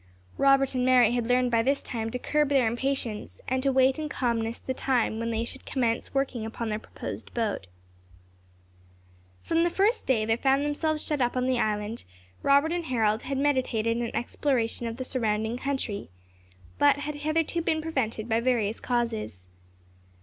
Robert and Mary had learned by this time to curb their impatience, and to wait in calmness the time when they should commence working upon their proposed boat. From the first day that they found themselves shut up upon the island, Robert and Harold had meditated an exploration of the surrounding country, but had hitherto been prevented by various causes.